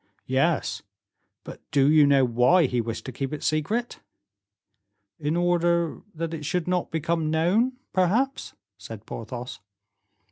"Yes, but do you know why he wished to keep it secret?" "In order it should not become known, perhaps," said Porthos.